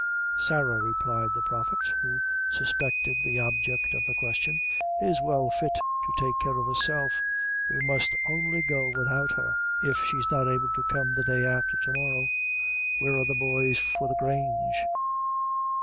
"Sarah," replied the Prophet, who suspected the object of the question, "is well fit to take care of herself. We must only go without her, if she's not able to come the day afther to morrow. Where are the boys _for the Grange?